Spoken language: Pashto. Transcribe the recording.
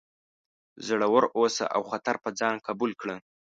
زړور اوسه او خطر په ځان قبول کړه.